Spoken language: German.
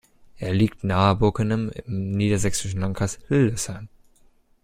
Er liegt nahe Bockenem im niedersächsischen Landkreis Hildesheim.